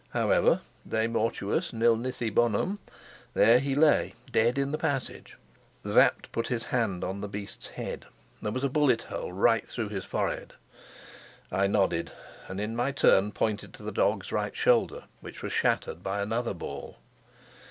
However, de mortuis nil nisi bonum; there he lay dead in the passage. Sapt put his hand on the beast's head. There was a bullet hole right through his forehead. I nodded, and in my turn pointed to the dog's right shoulder, which was shattered by another ball.